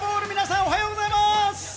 おはようございます。